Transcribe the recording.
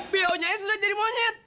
pionya ini sudah jadi monyet